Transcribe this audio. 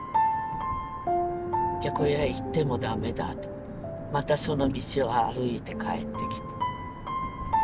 これは行ってもダメだとまたその道を歩いて帰ってきて。